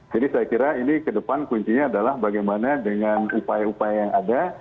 saya kira ini ke depan kuncinya adalah bagaimana dengan upaya upaya yang ada